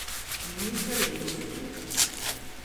Ministra de Industria.